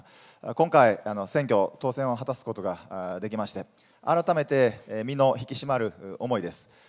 今回、選挙、当選を果たすことができまして、改めて身の引き締まる思いです。